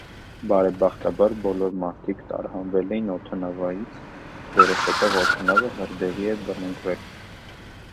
Բարեբախտաբար բոլոր մարդիկ տարհանվել են օդանավից, այնուհետև օդանավը հրդեհի է բռնկվել։